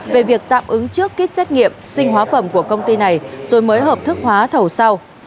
về việc tạm ứng trước kích xét nghiệm sinh hóa phẩm của công ty này rồi mới hợp thức hóa thầu sau